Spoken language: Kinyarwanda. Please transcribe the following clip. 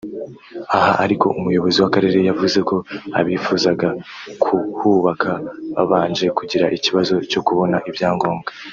Aha ariko umuyobozi w’akarere yavuze ko abifuzaga kuhubaka babanje kugira ikibazo cyo kubona ibyangombwa